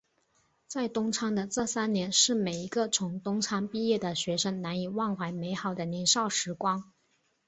在东昌的这三年是每一个从东昌毕业的学生难以忘怀美好的年少时光。